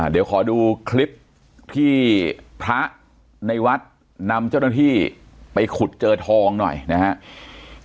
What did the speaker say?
เดี๋ยวขอดูคลิปที่พระในวัดนำเจ้าหน้าที่ไปขุดเจอทองหน่อยนะครับ